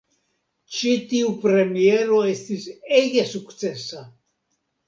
Ĉi tiu premiero estis ege sukcesa.